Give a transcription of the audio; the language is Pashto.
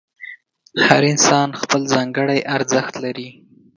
هر انسان خپل ځانګړی ارزښت لري.